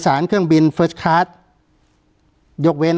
การแสดงความคิดเห็น